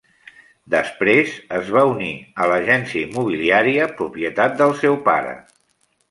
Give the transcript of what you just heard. Després, es va unir a l'agència immobiliària propietat del seu pare.